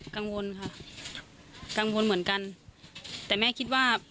กังวลค่ะกังวลเหมือนกันแต่แม่คิดว่า